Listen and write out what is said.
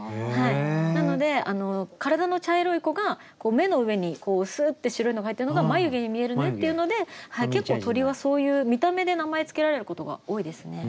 なので体の茶色い子が目の上にスーッて白いのが入ってるのが眉毛に見えるねっていうので結構鳥はそういう見た目で名前付けられることが多いですね。